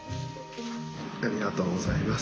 ありがとうございます。